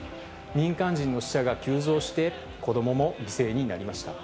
民間人の死者が急増して、子どもも犠牲になりました。